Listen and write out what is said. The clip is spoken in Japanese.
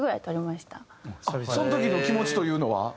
その時の気持ちというのは？